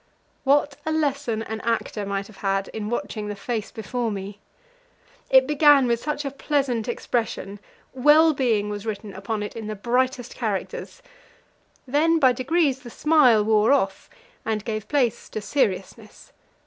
What a lesson an actor might have had in watching the face before me! It began with such a pleasant expression well being was written upon it in the brightest characters then by degrees the smile wore off, and gave place to seriousness.